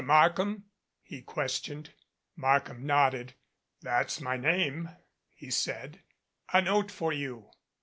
Markham?" he questioned. Markham nodded. "That's my name," he said. "A note for you."